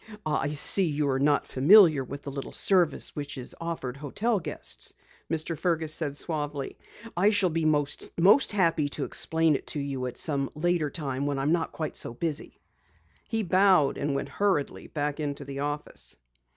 "I see you are not familiar with the little service which is offered hotel guests," Mr. Fergus said suavely. "I shall be most happy to explain it to you at some later time when I am not quite so busy." He bowed and went hurriedly back into the office.